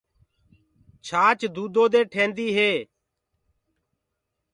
ڇآچ دودو دي ٺينديٚ هي۔